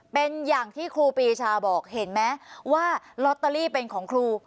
เป็นอย่างที่ครูปีชาบอกเห็นไหมว่าลอตเตอรี่เป็นของครู